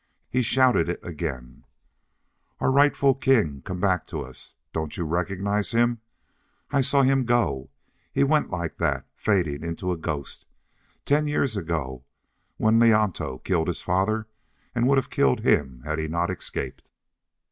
He shouted it again: "Our rightful king, come back to us! Don't you recognize him? I saw him go! He went like that fading into a ghost. Ten years ago, when Leonto killed his father and would have killed him had he not escaped!"